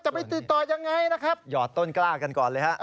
ไปติดต่อยังไงนะครับหยอดต้นกล้ากันก่อนเลยฮะ